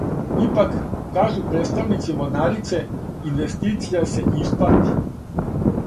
Ипак, кажу представници морнарице, инвестиција се исплати.